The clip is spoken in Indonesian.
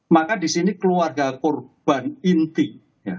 maka di sini keluarga korban inti